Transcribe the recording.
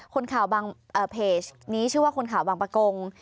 คนข่าวบางเพจนี้ชื่อว่าคนข่าวบางประกง